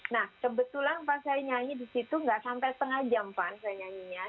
nah kebetulan pas saya nyanyi disitu nggak sampai setengah jam fah saya nyanyinya